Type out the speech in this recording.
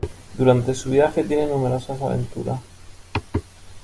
Durante su viaje tiene numerosas aventuras.